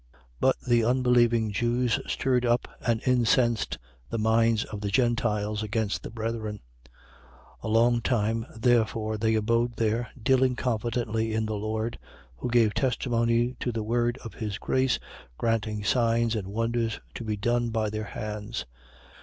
14:2. But the unbelieving Jews stirred up and incensed the minds of the Gentiles against the brethren. 14:3. A long time therefore they abode there, dealing confidently in the Lord, who gave testimony to the word of his grace, granting signs and wonders to be done by their hands.